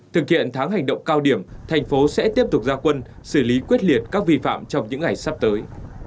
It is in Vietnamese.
thực hiện tháng hành động cao điểm thành phố sẽ tiếp tục ra quân xử lý quyết liệt các vi phạm trong những ngày sắp tới